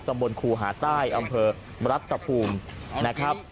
ตำรวจคู่หาใต้อำเภอรัฐตะพูมนะครับ